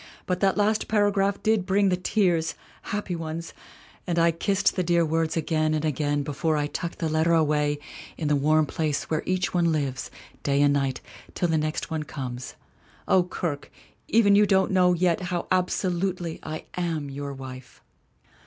But that last paragraph did bring the tears happy ones and I kissed the dear words again and again before I tucked the letter away in the warm place where each one lives, day and night, till the next one comes. O Kirke! Even you don't know yet how 'absolutely' I am your wife!"